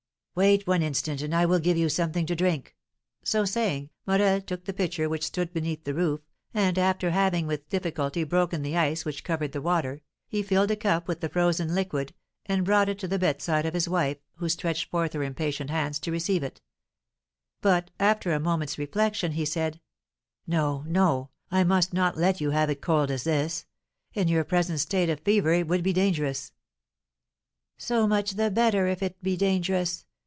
"Wait one instant, and I will give you some drink!" So saying, Morel took the pitcher which stood beneath the roof, and, after having with difficulty broken the ice which covered the water, he filled a cup with the frozen liquid, and brought it to the bedside of his wife, who stretched forth her impatient hands to receive it; but, after a moment's reflection, he said, "No, no, I must not let you have it cold as this; in your present state of fever it would be dangerous." "So much the better if it be dangerous!